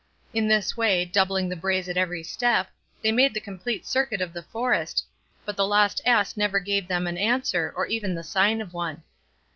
In this way, doubling the brays at every step, they made the complete circuit of the forest, but the lost ass never gave them an answer or even the sign of one.